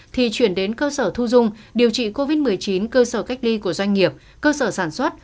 thì chuyển đến cơ sở thu dung điều trị covid một mươi chín cơ sở cách ly của doanh nghiệp cơ sở sản xuất